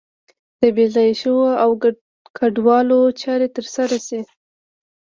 د بې ځایه شویو او کډوالو چارې تر سره شي.